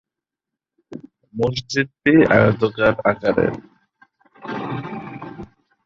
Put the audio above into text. মসজিদটি আয়তাকার আকারের।